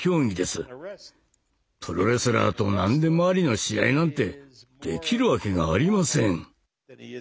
プロレスラーと何でもありの試合なんてできるわけがありません。